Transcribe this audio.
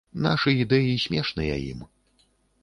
Нашы ідэі смешныя ім.